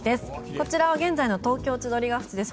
こちらは現在の東京・千鳥ヶ淵です。